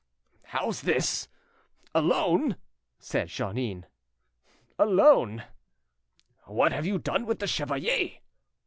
"How's this? Alone?" said Jeannin. "Alone." "What have you done with the chevalier?"